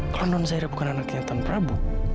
kalau nur zairah bukan anaknya tuhan prabu